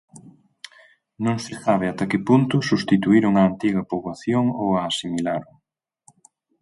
Non se sabe ata que punto substituíron a antiga poboación ou a asimilaron.